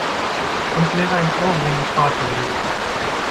Uns wäre ein Ohrwurm erspart geblieben.